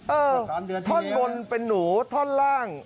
ท่อนบนเป็นหนูท่อนล่าง